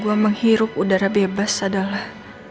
begitu gue menghirup udara bebas adalah